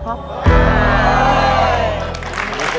จุ้แบ่